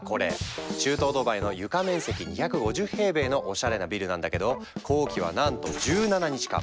中東ドバイの床面積２５０平米のおしゃれなビルなんだけど工期はなんと１７日間！